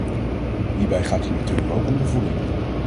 Hierbij gaat het natuurlijk ook om de voeding.